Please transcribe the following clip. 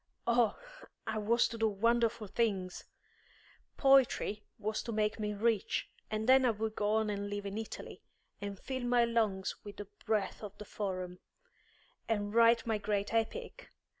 Oh, I was to do wonderful things! Poetry was to make me rich, and then I would go and live in Italy, and fill my lungs with the breath of the Forum, and write my great Epic.